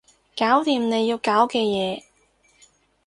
搞掂你要搞嘅嘢